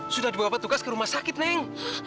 sudah dibawa petugas ke rumah sakit neng